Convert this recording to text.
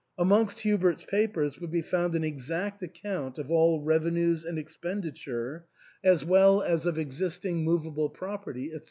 Amongst Hubert's papers would be found an exact account of all revenues and expenditure, as well 298 THE ENTAIL. as of existing movable property, &c.